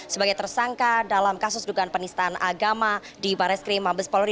sebagai tersangka dalam kasus dugaan penistaan agama di baris krim mabes polri